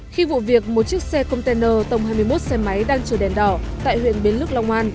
khi vụ việc một chiếc xe container tông hai mươi một xe máy đang chờ đèn đỏ tại huyện bến lức long an